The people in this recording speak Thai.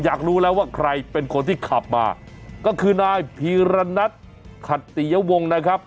อยากรู้แล้วว่าใครเป็นคนที่ขับมาก็คือนายพีรณัทขัตติยวงนะครับ